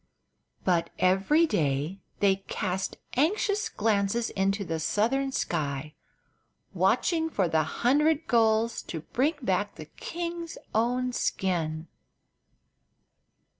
But every day they cast anxious glances into the southern sky, watching for the hundred gulls to bring back the king's own skin.